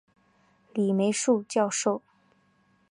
李梅树教授